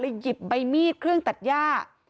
หยิบใบมีดเครื่องตัดย่า